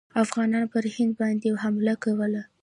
افغانانو پر هند باندي حمله کوله.